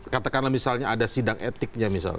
katakanlah misalnya ada sidang etiknya misalnya